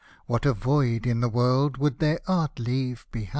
What a void in the world would their art leave behind